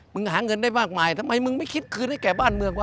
หาเงินได้มากมายทำไมมึงไม่คิดคืนให้แก่บ้านเมืองวะ